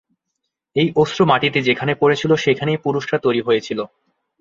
এই অশ্রু মাটিতে যেখানে পড়েছিল সেখানেই পুরুষরা তৈরি হয়েছিল।